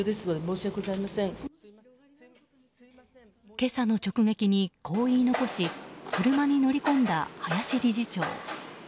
今朝の直撃に、こう言い残し車に乗り込んだ林理事長。